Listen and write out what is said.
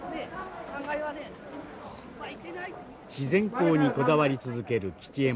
自然光にこだわり続ける吉右衛門さん。